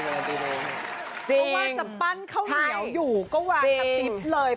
เพราะว่าจะปั้นข้าวเหนียวอยู่ก็วางกระติ๊บเลย